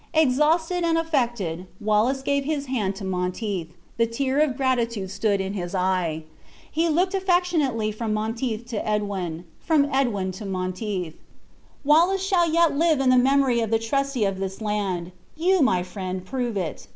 Exhausted and affected, Wallace gave his hand to Monteith; the tear of gratitude stood in his eye. He looked affectionately from Monteith to Edwin, from Edwin to Monteith: "Wallace shall yet live in the memory of the trusty of this land! you, my friend, prove it.